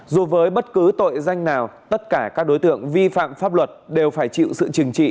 dù với bất cứ tội danh nào tất cả các đối tượng vi phạm pháp luật đều phải chịu sự trừng trị